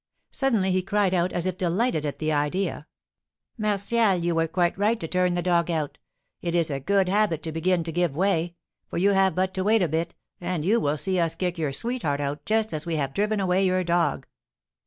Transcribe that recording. Suddenly he cried out, as if delighted at the idea, "Martial, you were quite right to turn the dog out. It is a good habit to begin to give way, for you have but to wait a bit, and you will see us kick your sweetheart out just as we have driven away your dog."